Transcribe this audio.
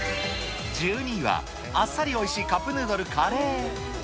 １２位は、あっさりおいしいカップヌードルカレー。